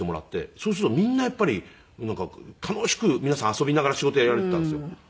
そうするとみんなやっぱりなんか楽しく皆さん遊びながら仕事やられていたんですよ。